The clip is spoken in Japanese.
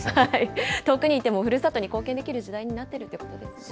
遠くにいてもふるさとに貢献できる時代になってるということですね。